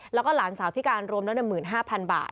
แล้วก็หลานสาวพิการรวมแล้ว๑๕๐๐๐บาท